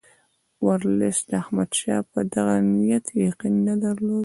ورلسټ د احمدشاه په دغه نیت یقین نه درلود.